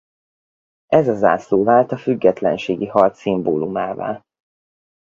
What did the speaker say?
Ez a zászló vált a függetlenségi harc szimbólumává.